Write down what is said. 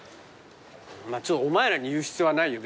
まあお前らに言う必要はないよ。